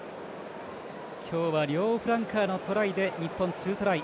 今日は両フランカーのトライで日本ツートライ。